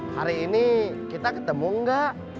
hari ini kita ketemu enggak